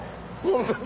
ホントだ！